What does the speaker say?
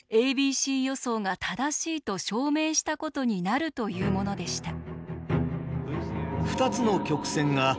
予想が正しいと証明したことになるというものでした。